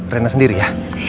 rena sendiri ya